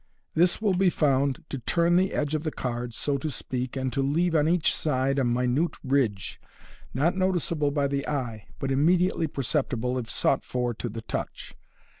This will be found to turn the edge of the card, so to speak, and to leave on each side a minute ridge, not noticeable by the eye, but immediately perceptible, if sought for, to the touch.